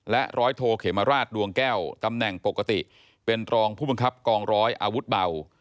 ร้อยโทเขมราชดวงแก้วตำแหน่งปกติเป็นรองผู้บังคับกองร้อยอาวุธเบา